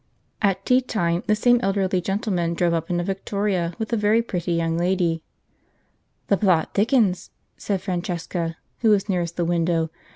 At tea time the same elderly gentleman drove up in a victoria, with a very pretty young lady. "The plot thickens," said Francesca, who was nearest the window.